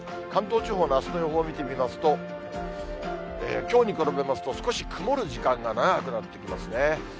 関東地方のあすの予報を見てみますと、きょうに比べますと、少し曇る時間が長くなってきますね。